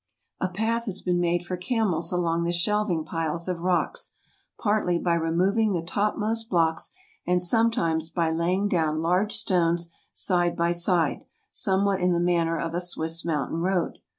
A path has been made for camels along the shelving piles of rocks, partly by removing the topmost blocks, and sometimes by laying down large stones side by side, somewhat in the manner of a Swiss mountain road.